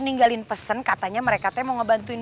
ninggalin pesen katanya mereka teh mau ngebantuin